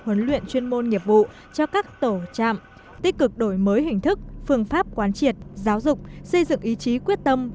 huấn luyện chuyên môn nghiệp vụ cho các tổ trạm tích cực đổi mới hình thức phương pháp quán triệt giáo dục xây dựng ý chí quyết tâm